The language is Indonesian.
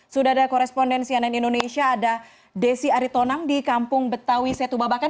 sudah ada korespondensi ann indonesia ada desi aritonang di kampung betawi setubabakan